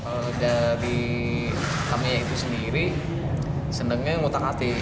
kalau dari tamiya itu sendiri senangnya ngutang hati